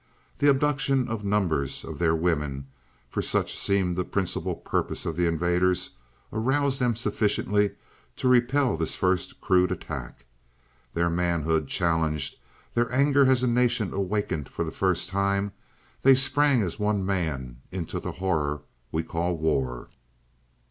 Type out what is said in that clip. The abduction of numbers of their women, for such seemed the principal purpose of the invaders, aroused them sufficiently to repel this first crude attack. Their manhood challenged, their anger as a nation awakened for the first time, they sprang as one man into the horror we call war.